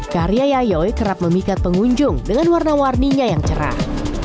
karya yayoy kerap memikat pengunjung dengan warna warninya yang cerah